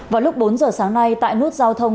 vào lúc bốn giờ sáng nay tại nút giao thông